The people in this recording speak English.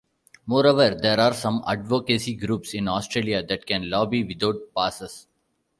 Moreover, there are some advocacy groups in Australia that can lobby without passes.